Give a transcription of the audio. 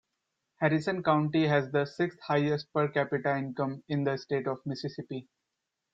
Harrison County has the sixth highest per capita income in the State of Mississippi.